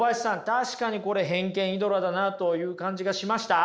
確かにこれ偏見イドラだなという感じがしました？